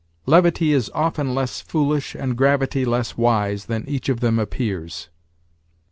"Levity is often less foolish and gravity less wise than each of them appears."